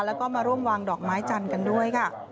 แล้วก็มาร่วมวางดอกไม้จันทร์กันด้วยค่ะ